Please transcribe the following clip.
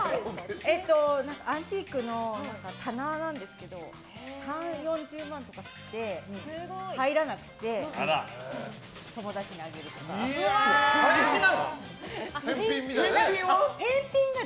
アンティークの棚なんですけど３０４０万とかして入らなくて返品は？